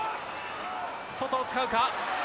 外を使うか。